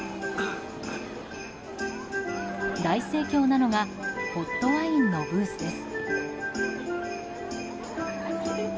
大盛況なのがホットワインのブースです。